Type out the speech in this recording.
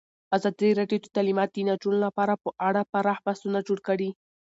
ازادي راډیو د تعلیمات د نجونو لپاره په اړه پراخ بحثونه جوړ کړي.